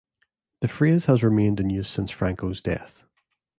The phrase has remained in use since Franco's death.